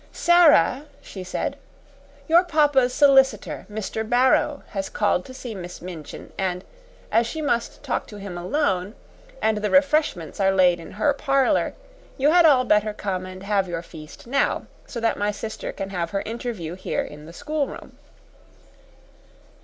"Sara," she said, "your papa's solicitor, Mr. Barrow, has called to see Miss Minchin, and, as she must talk to him alone and the refreshments are laid in her parlor, you had all better come and have your feast now, so that my sister can have her interview here in the schoolroom."